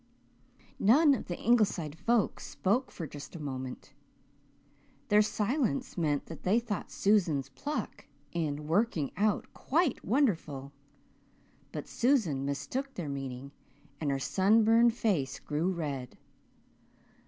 '" None of the Ingleside folks spoke for just a moment. Their silence meant that they thought Susan's pluck in "working out" quite wonderful. But Susan mistook their meaning and her sun burned face grew red.